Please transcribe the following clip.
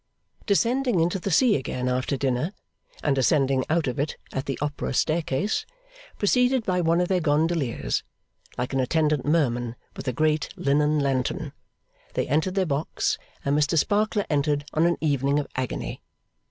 Descending into the sea again after dinner, and ascending out of it at the Opera staircase, preceded by one of their gondoliers, like an attendant Merman, with a great linen lantern, they entered their box, and Mr Sparkler entered on an evening of agony.